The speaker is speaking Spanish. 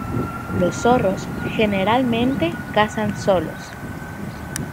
Los zorros generalmente cazan solos.